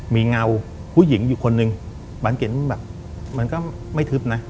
มีเงาผู้หญิงอยู่คนหนึ่งบังเกรดแบบมันก็ไม่ทึบนะ